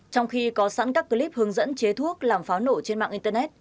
trong khi có sẵn các clip hướng dẫn chế thuốc làm pháo nổ trên mạng internet